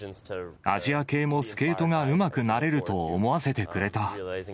アジア系もスケートがうまくなれると思わせてくれた。